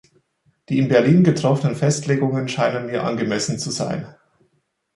Die in Berlin getroffenen Festlegungen scheinen mir angemessen zu sein.